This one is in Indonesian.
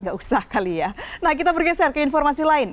gak usah kali ya nah kita bergeser ke informasi lain